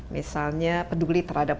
misalnya peduli terhadap